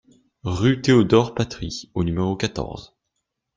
Rue Théodore Patry au numéro quatorze